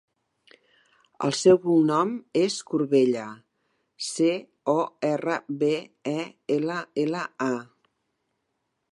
El seu cognom és Corbella: ce, o, erra, be, e, ela, ela, a.